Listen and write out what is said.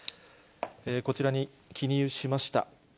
こちらに記入しました。